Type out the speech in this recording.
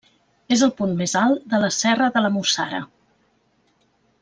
És el punt més alt de la serra de la Mussara.